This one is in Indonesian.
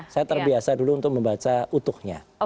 saya terbiasa dulu untuk membaca utuhnya